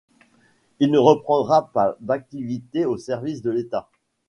Il ne reprendra pas d'activité au service de l'État.